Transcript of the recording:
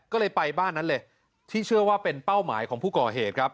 ก็เลยไปบ้านนั้นเลยที่เชื่อว่าเป็นเป้าหมายของผู้ก่อเหตุครับ